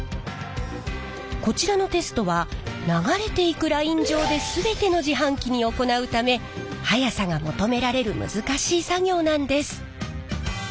こちらのテストは流れていくライン上で全ての自販機に行うため速さが求められる難しい作業なんです。